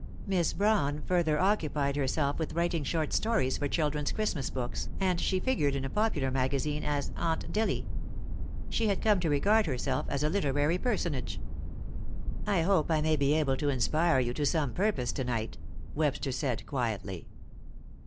Miss Brawn further occupied herself with writing short stories for children's Christmas books, and she figured in a popular magazine as "Aunt Dilly." She had come to regard herself as a literary personage. "I hope I may be able to inspire you to some I purpose to night," Webster said, quietly.